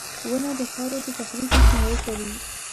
• ونه د خاورو د تخریب مخنیوی کوي.